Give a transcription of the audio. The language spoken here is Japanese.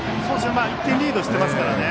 １点リードしてますからね。